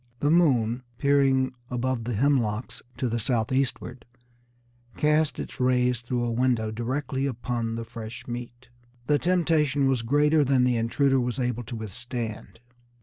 The moon, peering above the hemlocks to the southeastward, cast its rays through a window directly upon the fresh meat. The temptation was greater than the intruder was able to withstand.